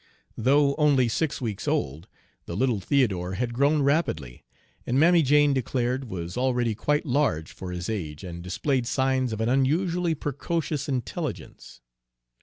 Though only six weeks old, the little Theodore had grown rapidly, and Mammy Jane declared was already quite large for his age, and displayed signs of an unusually precocious intelligence.